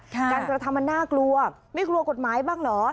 การกระทำมันน่ากลัวไม่กลัวกฎหมายบ้างเหรอ